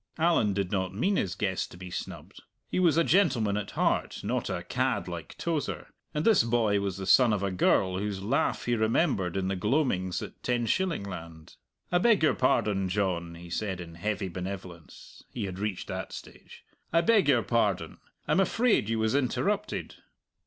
Allan did not mean his guest to be snubbed. He was a gentleman at heart, not a cad like Tozer; and this boy was the son of a girl whose laugh he remembered in the gloamings at Tenshillingland. "I beg your pardon, John," he said in heavy benevolence he had reached that stage "I beg your pardon. I'm afraid you was interrupted."